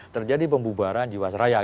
terjadi pembubaran jiwa seraya